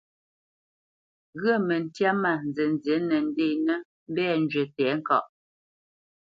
Ghyə̂ məntyâ mâ nzənzí nə nděnə mbɛ̂ njywí tɛ̌ŋkaʼ.